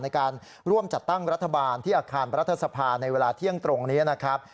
ในการร่วมจัดตั้งรัฐบาลที่อาคารรัฐสภาในเวลาเที่ยงตรงนี้นะครับ